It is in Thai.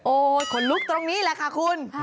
ขนลุกตรงนี้แหละค่ะคุณ